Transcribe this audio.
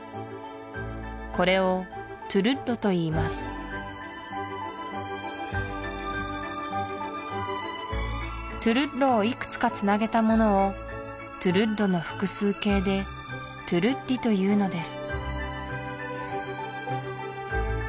これをトゥルッロといいますトゥルッロをいくつかつなげたものをトゥルッロの複数形でトゥルッリというのです